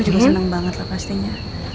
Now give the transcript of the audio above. juga senang banget lah pastinya